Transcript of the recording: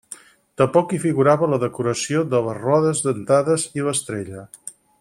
Tampoc hi figurava la decoració de les rodes dentades i l'estrella.